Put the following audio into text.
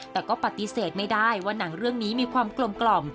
แต่ก็ปฏิเสธไม่ได้ว่าหนังเรื่องนี้มีความกลม